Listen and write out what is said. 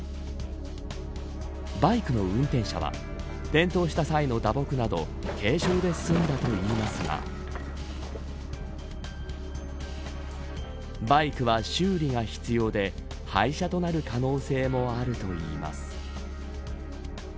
バイクの運転者は転倒した際の打撲など軽傷で済んだといいますがバイクは修理が必要で廃車となる可能性もあるといいます。